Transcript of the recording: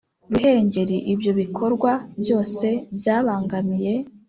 Ruhengeri Ibyo bikorwa byose byabangamiye